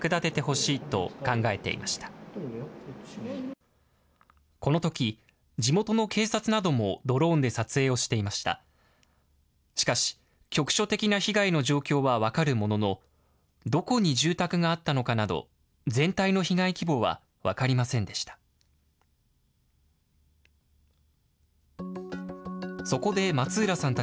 しかし、局所的な被害の状況は分かるものの、どこに住宅があったのかなど、全体の被害規模は分かりませんでした。